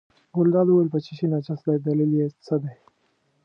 ګلداد وویل په څه شي نجس دی دلیل یې څه دی.